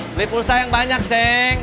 beli pulsa yang banyak seng